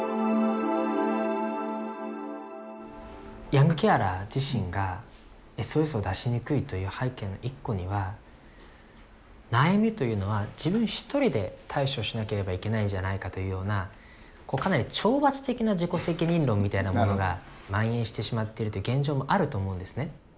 ヤングケアラー自身がＳＯＳを出しにくいという背景の一個には悩みというのは自分一人で対処しなければいけないんじゃないかというようなこうかなり懲罰的な自己責任論みたいなものがまん延してしまってるという現状もあると思うんですね。